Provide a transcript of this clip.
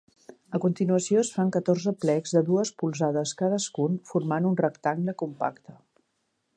A continuació es fan catorze plecs de dues polzades cadascun formant un rectangle compacte.